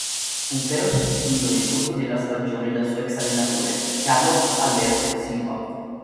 Fu però sostituito nel corso della stagione dal suo ex-allenatore Carlos Alberto Silva.